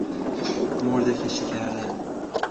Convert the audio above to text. مرده کشی کردن